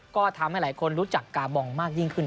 ก็ทำให้หลายคนรู้จักกาบองมากยิ่งขึ้น